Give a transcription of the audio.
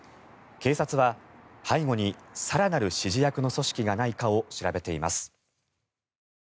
警察は背後に更なる指示役の組織がないかを調べています。